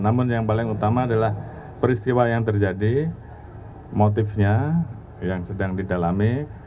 namun yang paling utama adalah peristiwa yang terjadi motifnya yang sedang didalami